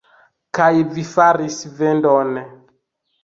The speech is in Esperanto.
Kaj vi faris vendon.